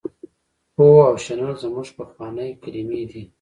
پوهه او شنل زموږ پخوانۍ کلمې دي.